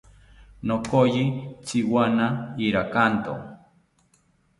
Nokoyi tziwana irakanto